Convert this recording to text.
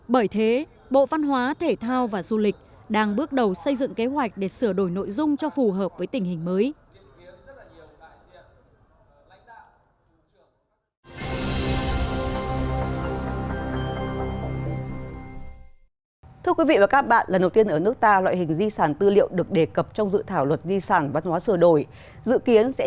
bởi thế bộ văn hóa thể thao và du lịch đang bước đầu xây dựng kế hoạch để sửa đổi nội dung